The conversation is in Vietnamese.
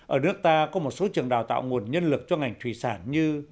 ở nước ta có một số trường đào tạo nguồn nhân lực cho ngành thủy sản như